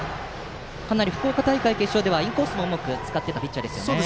かなり福岡大会決勝ではインコースもうまく使ってたピッチャーですよね。